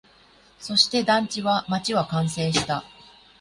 そして、団地は、街は完成した